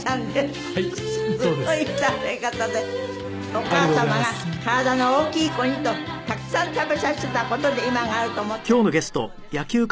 お母様が体の大きい子にとたくさん食べさせた事で今があると思っていらっしゃるそうです。